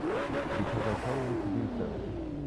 Because I tell you to do so.